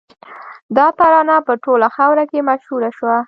دا ترانه په ټوله خاوره کې مشهوره شوه